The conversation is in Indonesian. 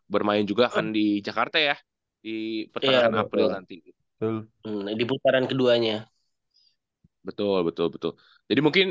bermain juga akan di jakarta ya di pertengahan april nanti di putaran keduanya betul betul betul jadi mungkin